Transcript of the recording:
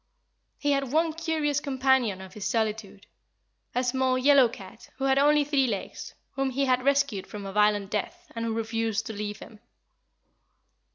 He had one curious companion of his solitude a small, yellow cat, who had only three legs, whom he had rescued from a violent death, and who refused to leave him.